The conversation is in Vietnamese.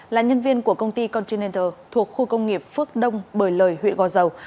là nhân viên của công ty continenter thuộc khu công nghiệp phước đông bời lời huyện gò dầu